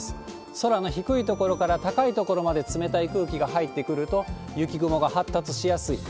空の低い所から高い所まで冷たい空気が入ってくると、雪雲が発達しやすい。